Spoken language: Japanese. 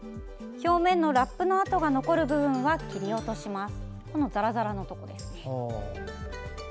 表面のラップの跡が残る部分は切り落とします。